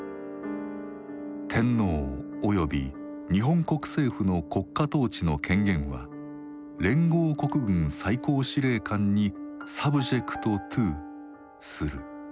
天皇および日本国政府の国家統治の権限は連合国軍最高司令官に「ｓｕｂｊｅｃｔｔｏ」する。